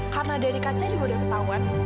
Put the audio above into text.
karena dari kaca juga sudah ketahuan